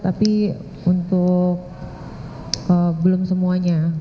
tapi untuk belum semuanya